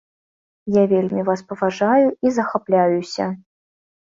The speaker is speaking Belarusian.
Я вельмі вас паважаю і захапляюся.